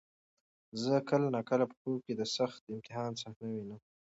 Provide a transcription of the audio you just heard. زه کله ناکله په خوب کې د سخت امتحان صحنه وینم.